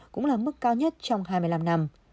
cũng là mức cao nhất trong hai mươi năm năm